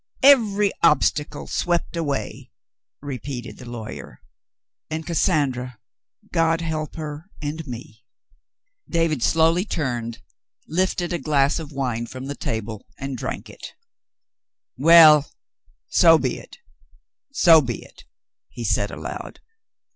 "Every obstacle swept away," repeated the lawyer. "And Cassandra, God help her and me." David slowly turned, lifted a glass of wine from the table, and drank it. New Conditions 239 "Well, so be it, so be it," he said aloud.